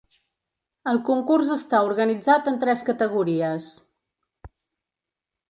El concurs està organitzat en tres categories.